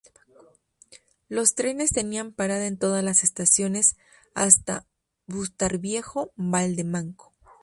Los trenes tenían parada en todas las estaciones hasta Bustarviejo-Valdemanco.